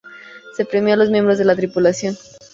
Se premió a los Miembros de la tripulación.